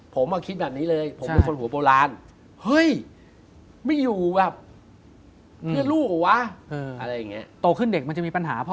ผมก็คิดแบบนี้เลยผมเป็นคนหัวโบราณ